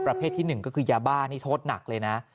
ประเภทที่๑ก็คือยาบ้านี่โทษหนักเลยนะ